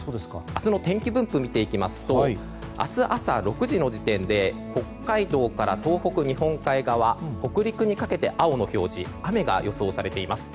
明日の天気分布を見ていきますと明日朝６時の時点で北海道から東北日本海側、北陸にかけて青の表示雨が予想されています。